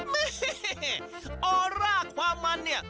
มิเหี้อร่าความมันเนี่ย